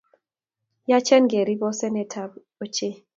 Yache kerib osenet ochei